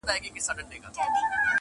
خراب خراب دي کړم چپه دي کړمه,